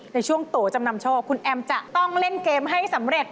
ในช่วงโตจำนำโชคคุณแอมจะต้องเล่นเกมให้สำเร็จ